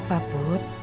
kamu kenapa put